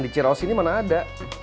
di cirawasi ini mana ada